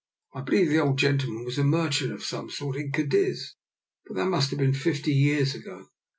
I believe the old gentleman was a merchant of some sort in Cadiz, but that must have been fifty years ago.